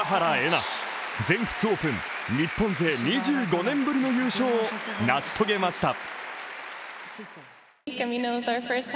瑛菜、全仏オープン、日本勢２５年ぶりの優勝を成し遂げました。